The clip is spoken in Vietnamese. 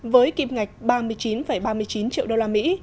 với kim ngạch ba mươi chín ba mươi chín triệu đô la mỹ